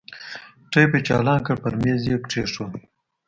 ټېپ يې چالان کړ پر ميز يې کښېښود.